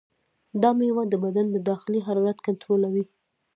دا میوه د بدن د داخلي حرارت کنټرولوي.